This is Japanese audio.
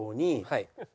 はい。